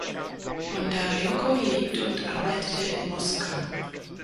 Bondarenko lebte und arbeitete in Moskau.